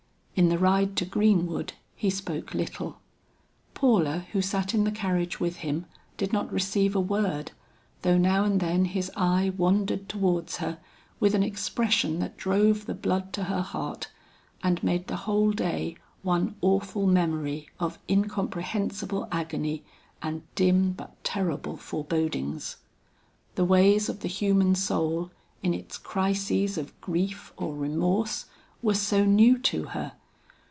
In the ride to Greenwood he spoke little. Paula who sat in the carriage with him did not receive a word, though now and then his eye wandered towards her with an expression that drove the blood to her heart, and made the whole day one awful memory of incomprehensible agony and dim but terrible forebodings. The ways of the human soul, in its crises of grief or remorse were so new to her.